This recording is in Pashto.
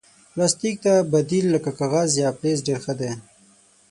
پلاستيک ته بدیل لکه کاغذ یا فلز ډېر ښه دی.